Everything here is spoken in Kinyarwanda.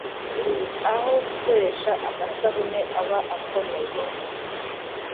aho gukoresha amasabune aba akomeye